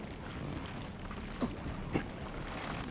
あっ。